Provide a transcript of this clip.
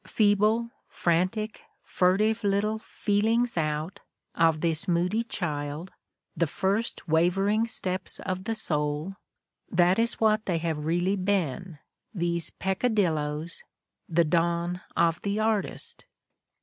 Feeble, frantic, furtive little feel ings out of this moody child, the first wavering steps of the soul, that is what they have really been, these peccadillos, the dawn of the artist.